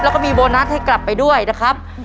แล้วก็มีโบนัสให้กลับไปด้วยนะครับ